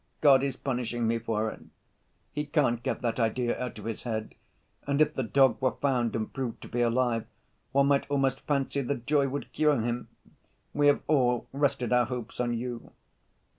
God is punishing me for it.' He can't get that idea out of his head. And if the dog were found and proved to be alive, one might almost fancy the joy would cure him. We have all rested our hopes on you."